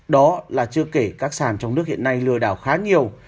đó là chưa kể các sàn trong nước hiện nay lừa đảo khá nhiều